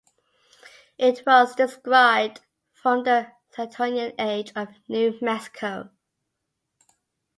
It was described from the Santonian age of New Mexico.